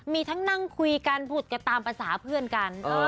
มีทั้งนั่งคุยกันผุดกันตามภาษาเพื่อนกัน